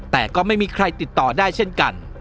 แต่ก็ไม่มีใครติดต่อได้เช่นกัน